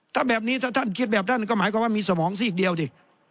ถ้าแบบนี้ถ้าท่านคิดแบบนั้นก็หมายความว่ามีสมองซีกเดียวดิ